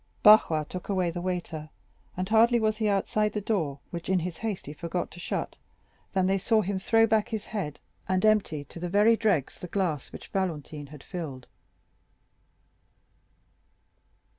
Barrois took away the waiter, and hardly was he outside the door, which in his haste he forgot to shut, than they saw him throw back his head and empty to the very dregs the glass which Valentine had filled.